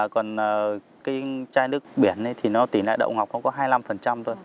còn chai nước biển thì tỉ lệ đậu ngọc nó có hai mươi năm thôi